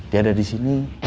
dia ada di sini